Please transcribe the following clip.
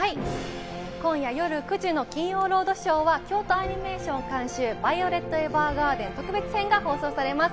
今夜９時の『金曜ロードショー』は京都アニメーション監修『ヴァイオレット・エヴァーガーデン』特別編が放送されます。